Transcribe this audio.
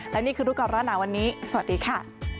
และนี่คือรูปกรณะวันนี้สวัสดีค่ะ